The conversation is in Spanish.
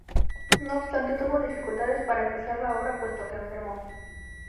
No obstante, tuvo dificultades para empezar la obra puesto que enfermó.